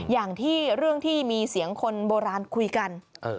อย่างที่เรื่องที่มีเสียงคนโบราณคุยกัน